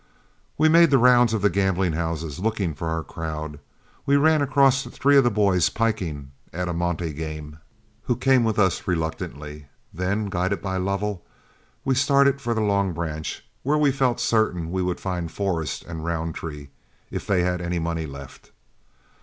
We made the rounds of the gambling houses, looking for our crowd. We ran across three of the boys piking at a monte game, who came with us reluctantly; then, guided by Lovell, we started for the Long Branch, where we felt certain we would find Forrest and Roundtree, if they had any money left.